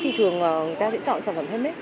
thì thường người ta sẽ chọn sản phẩm handmade